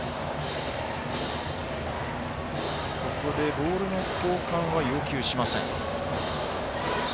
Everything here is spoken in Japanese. ボールの交換は要求しません。